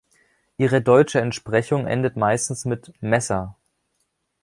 Ihre deutsche Entsprechung endet meistens mit "-messer".